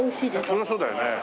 そりゃそうだよね。